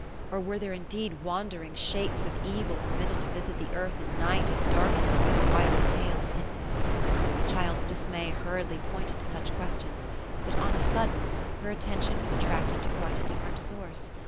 Or were there indeed wandering shapes of evil permit ted to visit the earth in night and darkness, as wild tales hinted 1 The child's dismay hurriedly pointed to such questions; but on a sudden, her attention was attracted to quite a different source.